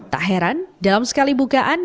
tak heran dalam sekali bukaan